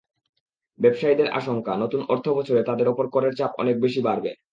ব্যবসায়ীদের আশঙ্কা, নতুন অর্থবছরে তাঁদের ওপর করের চাপ অনেক বেশি বাড়বে।